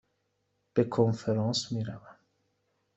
به کنفرانس می روم.